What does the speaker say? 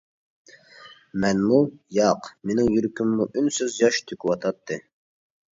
مەنمۇ، ياق مىنىڭ يۈرىكىممۇ ئۈنسىز ياش تۆكۈۋاتاتتى.